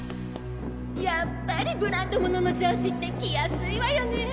やっぱりブランド物のジャージって着やすいわよね